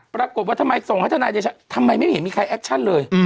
ปรากฏว่าทำไมส่งให้ทนายเดชาทำไมไม่เห็นมีใครแอคชั่นเลย